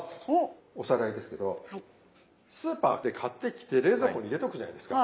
おさらいですけどスーパーで買ってきて冷蔵庫に入れとくじゃないですか。